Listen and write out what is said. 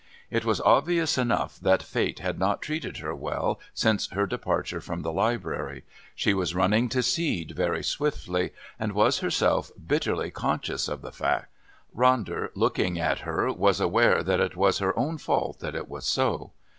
It was obvious enough that fate had not treated her well since her departure from the Library; she was running to seed very swiftly, and was herself bitterly conscious of the fact. Ronder, looking at her, was aware that it was her own fault that it was so.